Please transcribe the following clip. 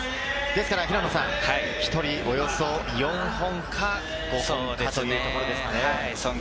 ですから、１人およそ４本か５本というところですかね。